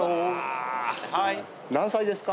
何歳ですか？